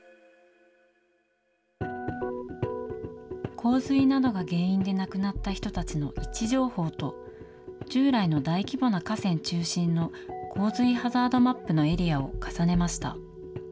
洪水などが原因で亡くなった人たちの位置情報と、従来の大規模な河川中心の洪水ハザードマップのエリアを重ねました。